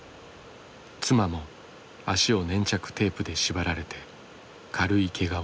妻も脚を粘着テープで縛られて軽いけがをした。